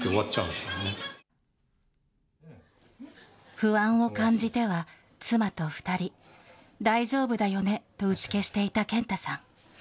不安を感じては妻と２人、大丈夫だよねと打ち消していた健太さん。